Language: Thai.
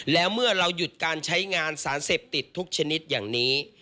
แล้วเมื่อเราหยุดการใช้งานสารเสพติดทุกชนิดอย่างนี้